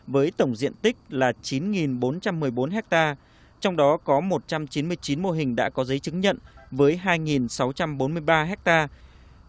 với tổng diện tích là chín bốn trăm một mươi bốn hectare trong đó có một trăm chín mươi chín mô hình đã có giấy chứng nhận với hai sáu trăm bốn mươi ba hectare